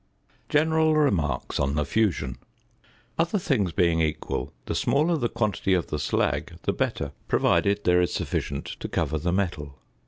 ~General Remarks on the Fusion.~ Other things being equal, the smaller the quantity of the slag the better, provided there is sufficient to cover the metal.